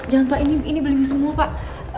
jangan pak ini beli semua pak